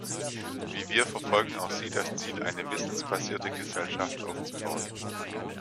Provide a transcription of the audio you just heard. Wie wir verfolgen auch sie das Ziel, eine wissensbasierte Gesellschaft aufzubauen.